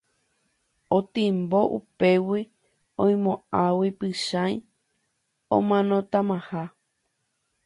Otimbo upégui oimo'ãgui Pychãi omanotamaha.